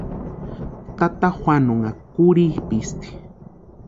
Tata Juanonha kurhipisti.